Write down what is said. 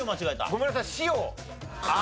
ごめんなさい。